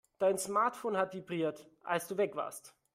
Dein Smartphone hat vibriert, als du weg warst.